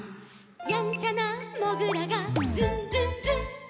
「やんちゃなもぐらがズンズンズン」